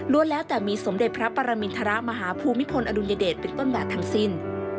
แล้วแต่มีสมเด็จพระปรมินทรมาฮภูมิพลอดุลยเดชเป็นต้นแบบทั้งสิ้น